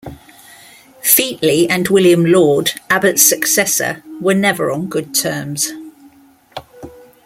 Featley and William Laud, Abbot's successor, were never on good terms.